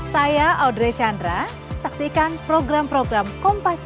saya audrey chandra saksikan program program kompas